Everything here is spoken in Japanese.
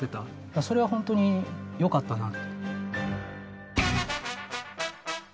それは本当によかったなと。